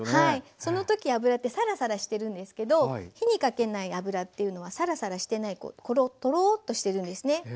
その時油ってサラサラしてるんですけど火にかけない油っていうのはサラサラしてないトロっとしてるんですね。